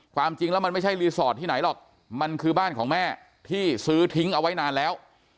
ความจริงแล้วมันไม่ใช่รีสอร์ทที่ไหนหรอกมันคือบ้านของแม่ที่ซื้อทิ้งเอาไว้นานแล้ว